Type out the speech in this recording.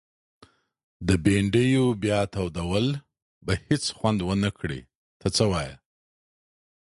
د بنډیو بیا تودول به هيڅ خوند ونکړي ته څه وايي؟